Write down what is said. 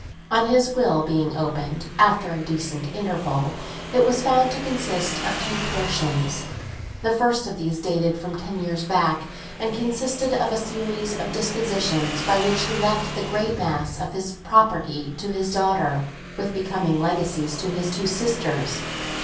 On his will being opened after a decent interval, it was found to consist of two portions. The first of these dated from ten years back, and consisted of a series of dispositions by which he left the great mass of property to his daughter, with becoming legacies to his two sisters.